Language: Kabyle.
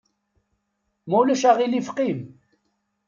Ma ulac aɣilif qim!